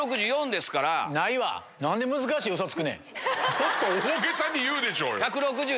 もっと大げさに言うでしょ。